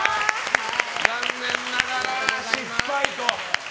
残念ながら失敗と。